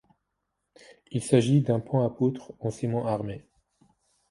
Il s'agit d'un pont à poutres en ciment armé.